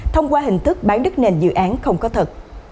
thông qua hình thức bán đất nền dự án không có thật